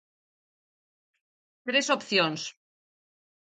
Tres opcións.